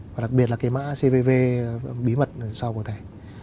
và đặc biệt là cái mã cvv bí mật sau của thẻ